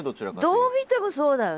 どう見てもそうだよね。